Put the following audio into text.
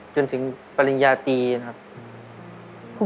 จนถึงปริญญาตรีนะครับ